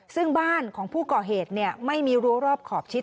ซึ่งบ้านของผู้ก่อเหตุไม่มีรั้วรอบขอบชิด